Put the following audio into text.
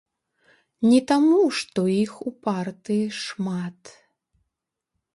Не таму, што іх у партыі шмат.